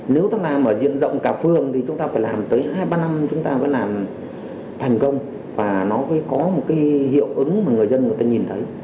nếu ta làm ở diện rộng cả phương thì chúng ta phải làm tới hai ba năm chúng ta phải làm thành công và nó mới có một cái hiệu ứng mà người dân người ta nhìn thấy